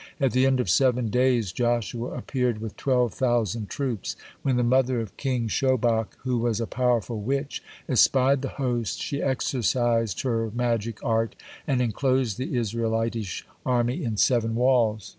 At the end of seven days Joshua appeared with twelve thousand troops. When the mother of King Shobach, who was a powerful witch, espied the host, she exercised her magic art, and enclosed the Isrealitish army in seven walls.